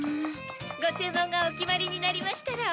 ご注文がお決まりになりましたらお呼びください。